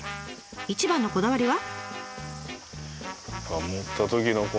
一番のこだわりは？